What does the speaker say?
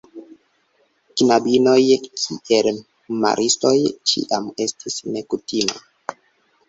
Knabinoj kiel maristoj ĉiam estis nekutima.